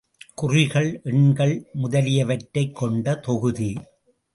குறிகள், எண்கள் முதலியவற்றைக் கொண்ட தொகுதி.